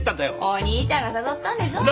お兄ちゃんが誘ったんでしょ。